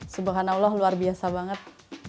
subhanallah luar biasa banget